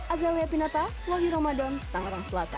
azalia pinata wahyu ramadan tangerang selatan